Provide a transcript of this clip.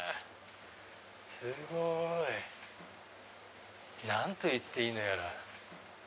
すごい！何て言っていいのやら。